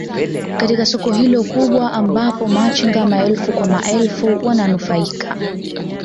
katika soko hilo kubwa ambapo machinga maelfu kwa maelfu wananufaika